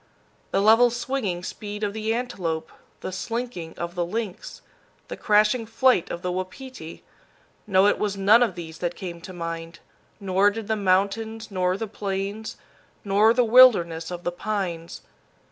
The level swinging speed of the antelope, the slinking of the lynx, the crashing flight of the wapiti no, it was none of these that came to mind; nor did the mountains nor the plains, nor the wilderness of the pines.